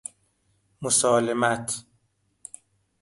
مسالمت